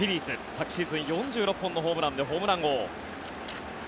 昨シーズン４６本のホームランでホームラン王。